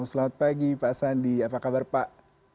selamat pagi pak sandi apa kabar pak